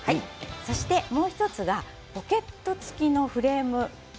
そして、もう１つがポケット付きのフレーム。